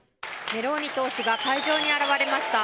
メローニ党首が会場に現れました。